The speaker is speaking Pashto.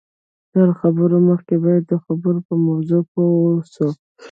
تر خبرو مخکې باید د خبرو په موضوع پوه واوسئ